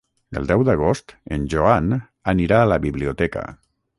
El deu d'agost en Joan anirà a la biblioteca.